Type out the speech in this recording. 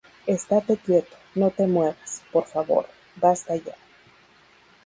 ¡ estate quieto, no te muevas, por favor! ¡ basta ya!